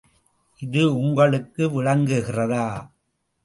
இது உங்களுக்கு விளங்குகிறதா?